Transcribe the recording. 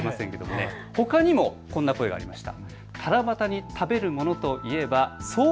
ほかにもこんな声もありました。